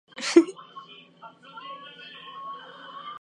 車の免許取ったよ